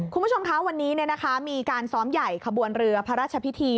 คุณผู้ชมคะวันนี้มีการซ้อมใหญ่ขบวนเรือพระราชพิธี